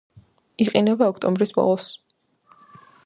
იყინება ოქტომბრის ბოლოს.